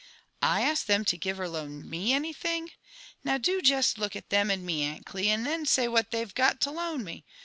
'< I ask them to gite or to loan me anything I Now do jest look at them and me, Aunt €li, and then say what they've got to loati me.